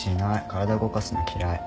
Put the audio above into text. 体動かすの嫌い。